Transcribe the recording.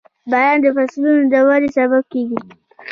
• باران د فصلونو د ودې سبب کېږي.